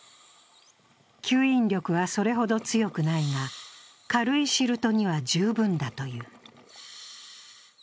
吸引力はそれほど強くないが軽いシルトには十分だという。